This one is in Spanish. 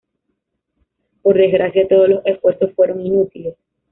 Por desgracia, todos los esfuerzos fueron inútiles.